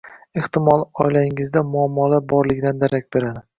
ehtimol, oilangizda muammolar borligidan darak beradi.